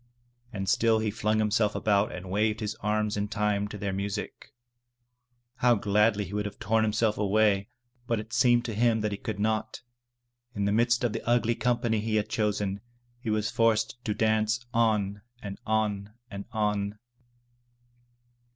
And still he flung "himself about and waved his arms in time to their music. How gladly he would have torn himself away, but it seemed to him that he could not. In the midst of the ugly company he had chosen, he was forced to dance on and on and on.